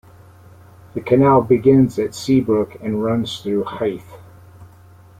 The canal begins at Seabrook and runs through Hythe.